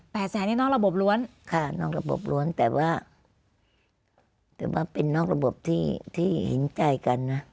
แสนนี่นอกระบบล้วนค่ะนอกระบบล้วนแต่ว่าแต่ว่าเป็นนอกระบบที่ที่เห็นใจกันนะ